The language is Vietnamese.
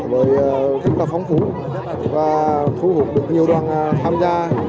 với cách phóng phú và thu hút được nhiều đoàn tham gia